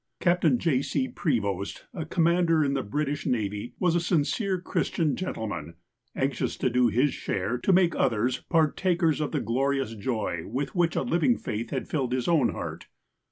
Captain J. C. Prevost, a commander in the British navy, was a sincere Christian gentleman, anxious to do his share to make others partakers of the glorious joy with which a living faith had filled his own heart.